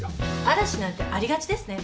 嵐なんてありがちですね。